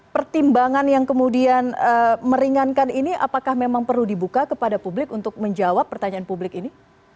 pertimbangan yang kemudian meringankan ini apakah memang perlu dibuka kepada publik untuk menjawab pertanyaan publik ini